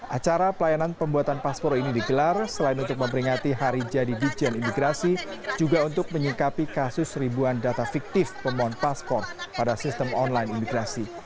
acara pelayanan pembuatan paspor ini digelar selain untuk memperingati hari jadi dijen imigrasi juga untuk menyikapi kasus ribuan data fiktif pemohon paspor pada sistem online imigrasi